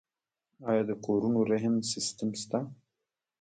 آیا د کورونو رهن سیستم شته؟